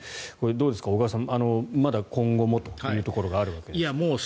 どうですか小川さん、まだ今後もというところがあるわけですが。